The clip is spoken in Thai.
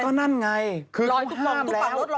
ก็นั่นไงคือเราห้ามแล้ว